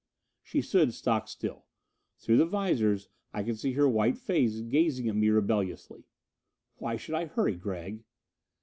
She stood stock still. Through the visors I could see her white face gazing at me rebelliously. "Why should I hurry, Gregg?"